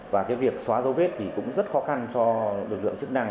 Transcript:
và việc xóa dấu vết cũng rất khó khăn cho lực lượng chức năng